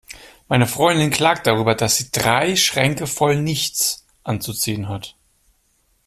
Meine Freundin klagt darüber, dass sie drei Schränke voll nichts anzuziehen hat.